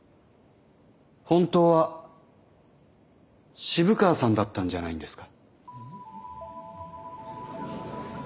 本当は渋川さんだったんじゃないんですか。